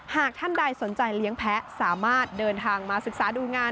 หากท่านใดสนใจเลี้ยงแพ้สามารถเดินทางมาศึกษาดูงาน